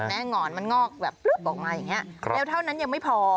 หงอนมันงอกแบบปลึบออกมาอย่างนี้แล้วเท่านั้นยังไม่พอ